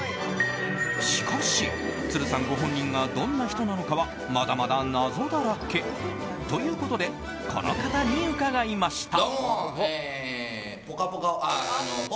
しかし、都留さんご本人がどんな人なのかはまだまだ謎だらけということでこの方に伺いました。